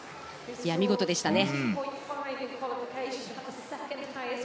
見事でしたね。